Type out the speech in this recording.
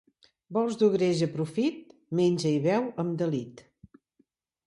Vols dur greix a profit? Menja i beu amb delit.